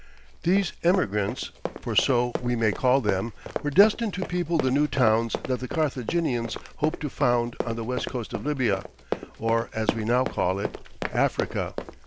These emigrants, for so we may call them, were destined to people the new towns that the Carthaginians hoped to found on the west coast of Libya, or as we now call it, Africa.